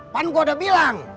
kan gua udah bilang